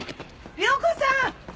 亮子さん！